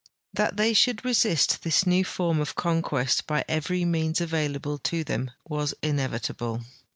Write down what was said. That they should resist this new form of conquest by every means available to them was inevitable.